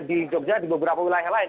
ini juga di beberapa wilayah lain